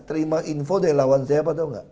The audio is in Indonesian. terima info dari lawan siapa tau nggak